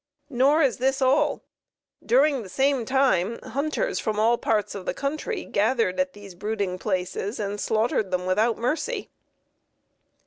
Nor is this all. During the same time hunters from all parts of the country gathered at these brooding places and slaughtered them without mercy.